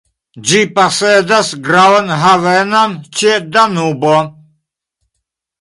Ĝi posedas gravan havenon ĉe Danubo.